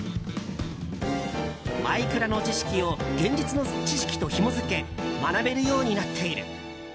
「マイクラ」の知識を現実の知識とひもづけ学べるようになっている。